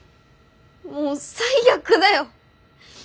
もう最悪だよ。